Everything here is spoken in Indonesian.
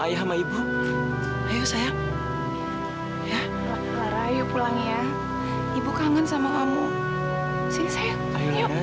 lara capek banget om